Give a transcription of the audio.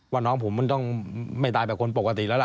น้องผมมันต้องไม่ตายแบบคนปกติแล้วล่ะ